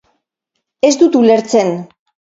Ez dut ulertzen.